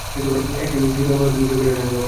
এক চিমটি সিঁদুরের মূল্য তুমি কি করে জানবে রমেশ?